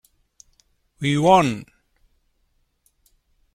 We won!